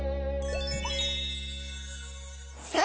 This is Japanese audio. さあ